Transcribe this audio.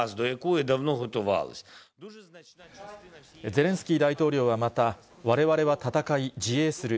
ゼレンスキー大統領はまた、われわれは戦い、自衛する。